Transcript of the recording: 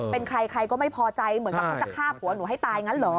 เป็นใครใครก็ไม่พอใจเหมือนกับเขาจะฆ่าผัวหนูให้ตายงั้นเหรอ